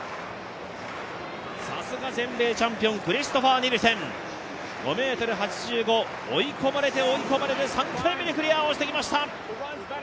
さすが全米チャンピオン、クリストファー・ニルセン、５ｍ８５、追い込まれて追い込まれて３回目でクリアをしてきました。